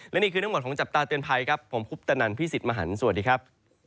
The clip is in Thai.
และนี่คือทั้งหมดของจับตาเตือนภัยครับผมคุปตนันพี่สิทธิ์มหันฯสวัสดีครับ